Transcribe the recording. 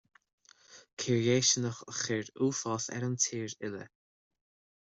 Coir dhéistineach a chuir uafás ar an tír uile